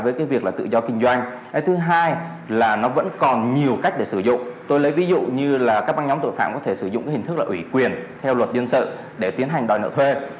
vì thế cần quy định điều kiện chặt chẽ hơn ràng buộc hơn quy trách nhiệm cho tổ chức cá nhân có liên quan